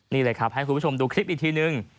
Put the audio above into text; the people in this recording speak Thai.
นี้นะครับดูคลิปอีกทีนึง